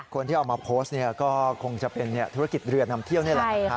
คนที่เอามาโพสต์ก็คงจะเป็นธุรกิจเรือนำเที่ยวนี่แหละนะคะ